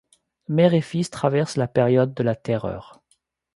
Mère et fils traversent la période de la Terreur.